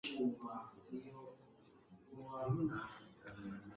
Kandi inkota yintoki-yuzuye yari yitwawe